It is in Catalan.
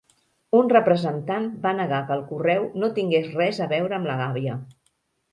Un representant va negar que el correu no tingués res a veure amb la gàbia.